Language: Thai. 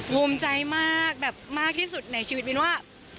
ภูมิใจมากแบบมากที่สุดในชีวิตมิ้นว่า